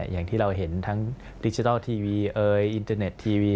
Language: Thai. อย่างที่เราเห็นทั้งดิจิทัลทีวีเอยอินเทอร์เน็ตทีวี